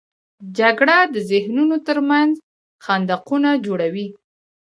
جګړه د ذهنونو تر منځ خندقونه جوړوي